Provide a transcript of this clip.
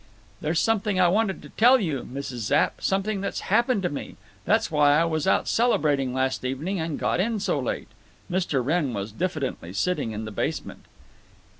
"There's something I wanted to tell you, Mrs. Zapp—something that's happened to me. That's why I was out celebrating last evening and got in so late." Mr. Wrenn was diffidently sitting in the basement.